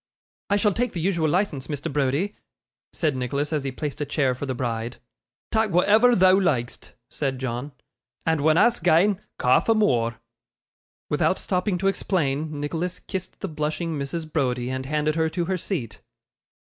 'I shall take the usual licence, Mr. Browdie,' said Nicholas, as he placed a chair for the bride. 'Tak' whatever thou like'st,' said John, 'and when a's gane, ca' for more.' Without stopping to explain, Nicholas kissed the blushing Mrs. Browdie, and handed her to her seat.